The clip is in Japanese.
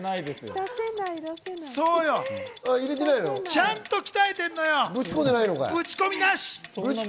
ちゃんと鍛えてるのよ。